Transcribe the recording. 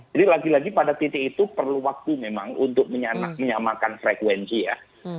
jadi lagi lagi pada titik itu perlu waktu memang untuk menyamakan frekuensi ya